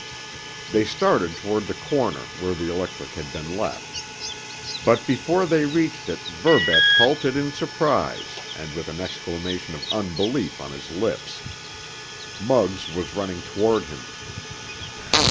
They started toward the corner where the electric had been left. But before they reached it Verbeck halted in surprise, and with an exclamation of unbelief on his lips. Muggs was running toward him.